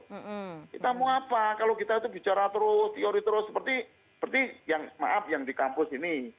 kita mau apa kalau kita itu bicara terus teori terus seperti yang maaf yang di kampus ini